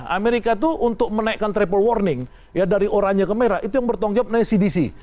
amerika itu untuk menaikkan triple warning ya dari oranye ke merah itu yang bertanggung jawab naik cdc